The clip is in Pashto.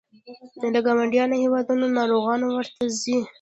له ګاونډیو هیوادونو ناروغان ورته ځي.